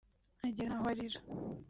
agera n’aho arira